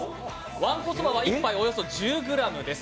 わんこそばは１杯およそ１０ｇです。